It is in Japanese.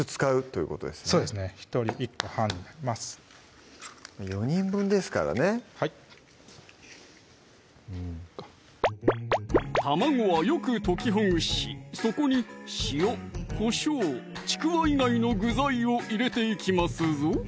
そうですね１人１個半になります４人分ですからねはい卵はよく溶きほぐしそこに塩・こしょうちくわ以外の具材を入れていきますぞ